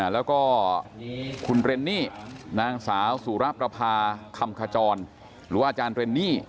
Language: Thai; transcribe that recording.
แล้วก็คุณเรนนี่นางสาวสูรพระภาพคำคจรหรือว่าอาจารย์